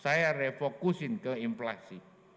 saya refokusin ke inflasi